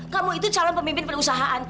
kamu itu calon pemimpin perusahaan